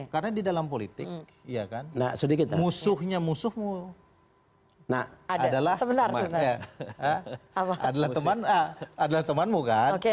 karena di dalam politik musuhnya musuhmu adalah temanmu kan